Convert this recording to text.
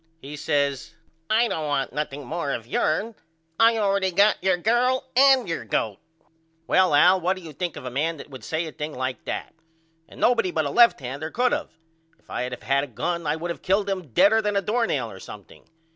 He says I don't want nothing more of yourn. I allready got your girl and your goat. Well Al what do you think of a man that would say a thing like that? And nobody but a left hander could of. If I had of had a gun I would of killed him deader than a doornail or something.